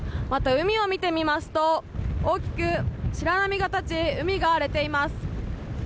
海を見てみますと大きく白波が立ち海が荒れています。